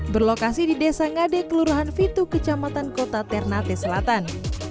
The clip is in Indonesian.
berlokasi di desa ngade kelurahan fitu kecamatan kota ternate selatan